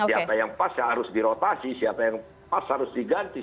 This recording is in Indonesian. siapa yang pas harus dirotasi siapa yang pas harus diganti